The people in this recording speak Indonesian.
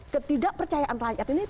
ketidak percayaan rakyat ini